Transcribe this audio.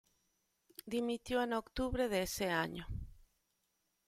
Dimitió en octubre de ese año.